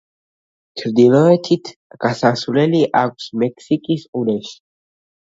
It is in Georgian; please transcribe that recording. ჩრდილოეთით გასასვლელი აქვს მექსიკის ყურეში.